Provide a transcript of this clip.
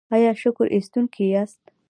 ایا شکر ایستونکي یاست؟